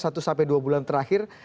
satu sampai dua bulan terakhir